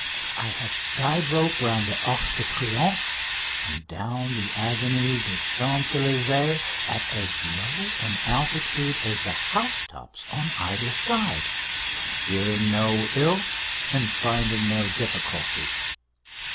I have guide roped round the Arc de Triomphe and down the Avenue des Champs Elysées at as low an altitude as the house tops on either side, fearing no ill and finding no difficulty.